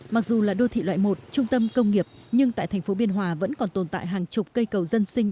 mặc dù là đô thị loại một trung tâm công nghiệp nhưng tại thành phố biên hòa vẫn còn tồn tại hàng chục cây cầu dân sinh